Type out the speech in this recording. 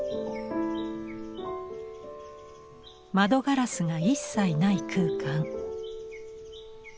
窓ガラスが一切ない空間。